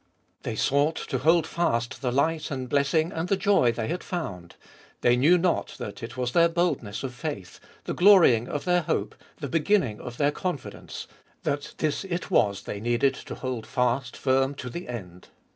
They sought to hold fast the light and blessing and the joy they had found ; they knew not that it was their boldness of faith, the glorying of their hope, the beginning of their con fidence, — that this it was they needed to hold fast firm to the end.